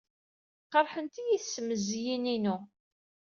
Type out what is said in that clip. Qerḥent-iyi tesmezziyin-innu.